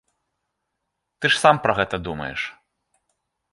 Ты ж сам пра гэта думаеш.